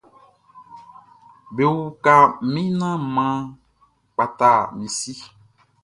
Bewuka mi, nan man kpata mi si.